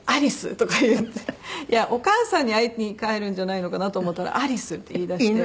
お母さんに会いに帰るんじゃないのかなと思ったら「アリス」って言い出して。